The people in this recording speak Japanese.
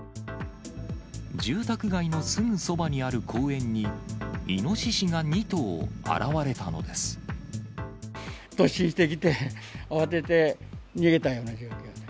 住宅街のすぐそばにある公園に、突進してきて、慌てて逃げたような状況。